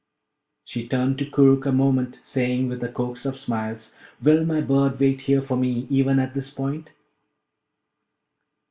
She turned to Koorookh a moment, saying, with a coax of smiles, 'Will my bird wait here for me, even at this point?'